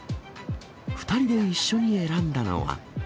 ２人で一緒に選んだのが。